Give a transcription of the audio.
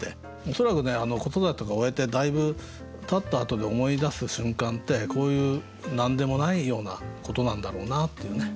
恐らく子育てを終えてだいぶたったあとに思い出す瞬間ってこういう何でもないようなことなんだろうなっていうね。